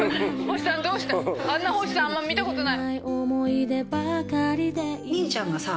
あんな星さんあんま見たことない。